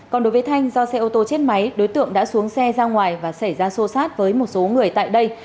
còn đối với thanh do xe ô tô chết máy đối tượng đã xuống xe ra ngoài và xảy ra xô xát với một số người tại đây